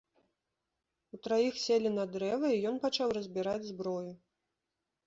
Утраіх селі на дрэва, і ён пачаў разбіраць зброю.